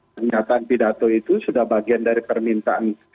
pernyataan pidato itu sudah bagian dari permintaan